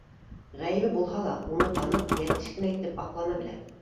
Ғәйебе булһа ла, уны танып, йәтеш кенә итеп аҡлана белә.